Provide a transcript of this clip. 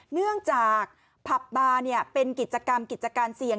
เนื่องจากผับบาร์เป็นกิจกรรมกิจการเสี่ยง